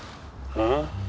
うん？